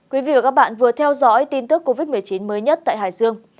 quý vị và các bạn vừa theo dõi tin tức covid một mươi chín mới nhất tại hải dương